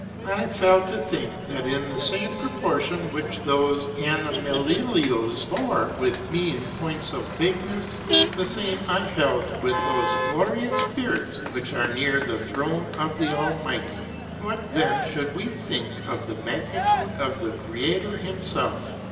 I fell to think, that in the same proportion which those Animalillios bore with me in point of bigness, the same I held with those glorious Spirits which are near the Throne of the Almighty. What then should we think of the magnitude of the Creator him self?